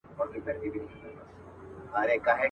چي هر پردی راغلی دی زړه شینی دی وتلی.